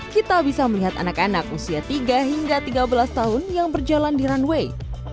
kita bisa melihat anak anak usia tiga hingga tiga belas tahun yang berjalan di runway